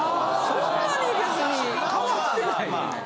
そんなに別に変わってない。